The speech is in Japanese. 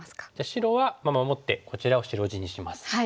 白は守ってこちらを白地にします。